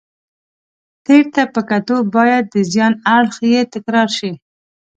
تېر ته په کتو باید د زیان اړخ یې تکرار شي.